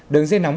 đường dây nóng